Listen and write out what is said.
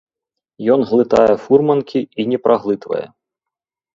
Ён глытае фурманкі і не праглытвае.